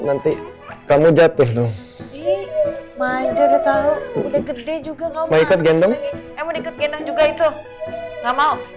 nanti kamu jatuh dong manjur tahu udah gede juga mau ikut gendong juga itu enggak mau